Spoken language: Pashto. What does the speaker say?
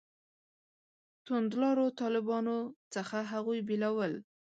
توندلارو طالبانو څخه هغوی بېلول.